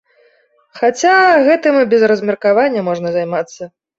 Хаця, гэтым і без размеркавання можна займацца.